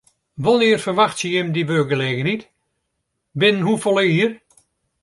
Wannear ferwachtsje jim dy wurkgelegenheid, binnen hoefolle jier?